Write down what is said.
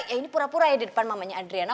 ya ini pura pura ya di depan mamanya adriana